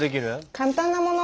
簡単なもの。